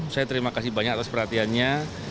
saya terima kasih banyak atas perhatiannya